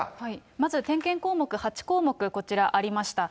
まず点検項目８項目、こちらありました。